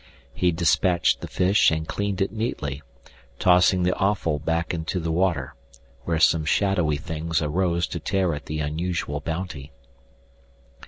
He dispatched the fish and cleaned it neatly, tossing the offal back into the water, where some shadowy things arose to tear at the unusual bounty.